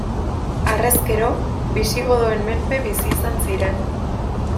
Harrezkero, bisigodoen menpe bizi izan ziren.